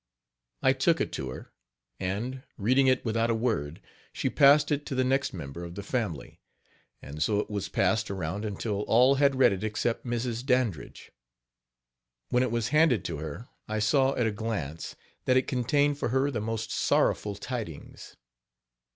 I took it to her; and, reading it without a word, she passed it to the next member of the family, and so it was passed around until all had read it except Mrs. Dandridge. When it was handed to her, I saw, at a glance, that it contained for her the most sorrowful tidings.